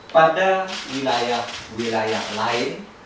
pada wilayah wilayah lain